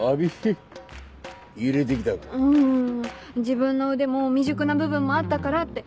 自分の腕も未熟な部分もあったからって。